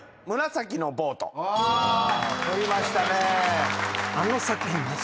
「紫のボート」取りましたね。